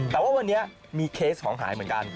แต่ว่าวันนี้มีเคสของหายเหมือนกัน